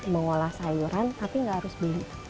mengolah sayuran tapi nggak harus beli